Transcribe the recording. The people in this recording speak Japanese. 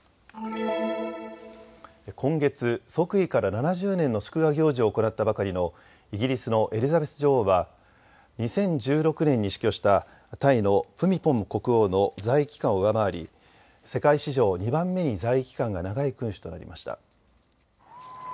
今月、即位から７０年の祝賀行事を行ったばかりのイギリスのエリザベス女王は２０１６年に死去したタイのプミポン国王の在位期間を上回り世界史上、２番目に在位期間が長い君主となりました。